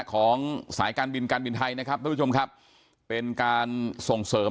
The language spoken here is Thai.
ของสายการบินการบินไทยนะครับทุกผู้ชมครับเป็นการส่งเสริม